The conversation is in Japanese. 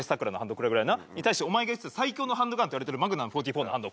これぐらいなに対してお前がやってた最強のハンドガンと言われてるマグナム４４の反動